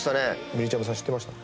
みりちゃむさん知ってました？